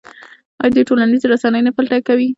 آیا دوی ټولنیزې رسنۍ نه فلټر کوي؟